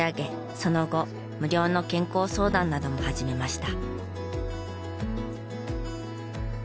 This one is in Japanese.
その後無料の健康相談なども始めました。